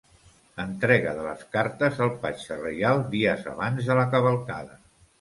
Entrega de les cartes al patge reial dies abans de la cavalcada.